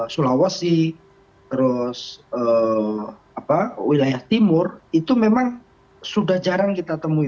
sulawesi terus wilayah timur itu memang sudah jarang kita temui